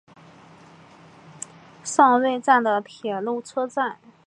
胜瑞站的铁路车站。